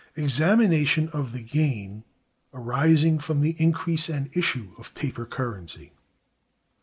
Examination of the gain arising from the increase and issue of paper Currency.